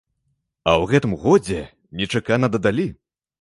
А ў гэтым годзе нечакана дадалі!